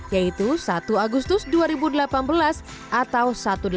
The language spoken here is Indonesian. yaitu satu agustus dua ribu delapan belas atau seribu delapan ratus delapan belas